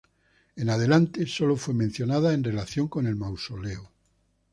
En adelante sólo fue mencionada en relación con el mausoleo.